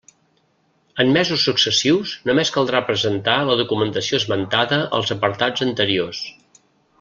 En mesos successius només caldrà presentar la documentació esmentada als apartats anteriors.